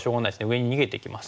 上に逃げていきます。